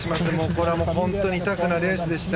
これは本当にタフなレースでした。